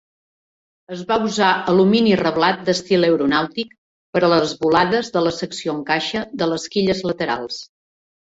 Es va usar alumini reblat d'estil aeronàutic per a les volades de la secció en caixa de les quilles laterals.